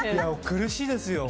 苦しいですよ。